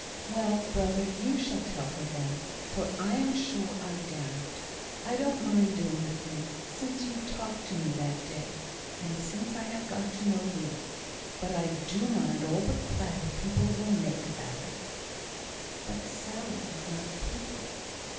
"Well, brother, you shall tell her then, for I am sure I daren't. I don't mind doing the thing, since you talked to me that day, and since I've got to know Ruth; but I do mind all the clatter people will make about it." "But Sally is not 'people.'"